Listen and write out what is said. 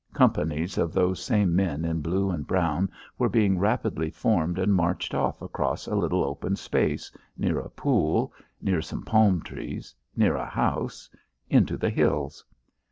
Companies of those same men in blue and brown were being rapidly formed and marched off across a little open space near a pool near some palm trees near a house into the hills.